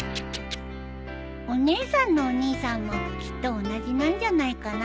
お姉さんのお兄さんもきっと同じなんじゃないかな。